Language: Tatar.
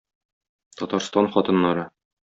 Татарстан хатыннары!